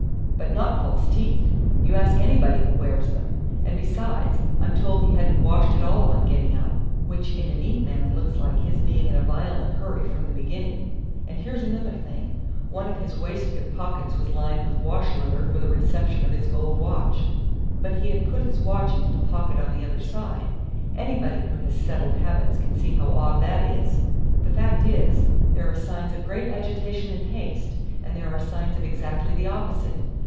"But not false teeth. You ask anybody who wears them. And besides, I'm told he hadn't washed at all on getting up, which in a neat man looks like his being in a violent hurry from the beginning. And here's another thing. One of his waistcoat pockets was lined with wash leather for the reception of his gold watch. But he had put his watch into the pocket on the other side. Anybody who has settled habits can see how odd that is. The fact is, there are signs of great agitation and haste, and there are signs of exactly the opposite.